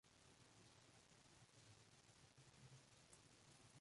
Drogo fue menor durante su reinado, por lo que tuvo regencia.